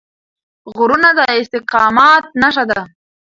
غرونه د استقامت نښه ده.